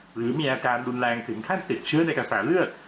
หรือมีอาการรุนแรงถึงขั้นติดเชื้อในกระแสเลือด